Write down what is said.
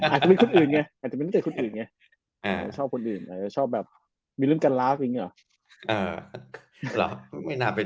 อาจจะเป็นคุ้ดอื่นไงอยากชอบบางหมดอื่นชอบไปแบบมีเรื่องการราเพะใช่ไหม